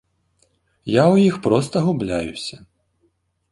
Я ў іх проста губляюся.